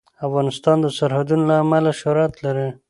افغانستان د سرحدونه له امله شهرت لري.